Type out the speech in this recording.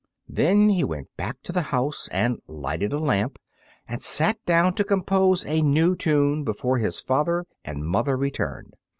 Then he went back to the house and lighted a lamp, and sat down to compose a new tune before his father and mother returned.